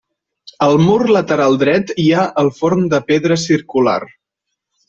Al mur lateral dret hi ha el forn de pedra circular.